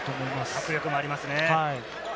迫力ありますね。